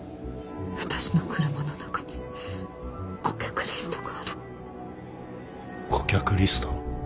私の車の中に顧客リストがある顧客リスト？